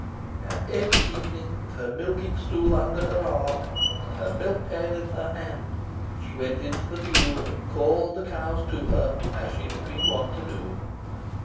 And every evening, with her milking stool under her arm, and her milk pail in her hand, she went into the field and called the cows to her, as she had been wont to do.